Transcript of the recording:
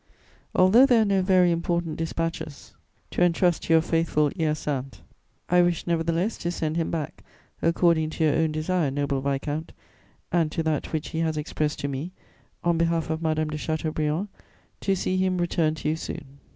_ "Although there are no very important dispatches to entrust to your faithful Hyacinthe, I wish nevertheless to send him back, according to your own desire, noble viscount, and to that which he has expressed to me, on behalf of Madame de Chateaubriand, to see him return to you soon.